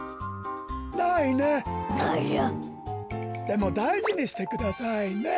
でもだいじにしてくださいね。